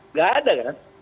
enggak ada kan